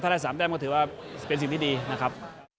ถ้าได้๓แต้มก็ถือว่าเป็นสิ่งที่ดีนะครับ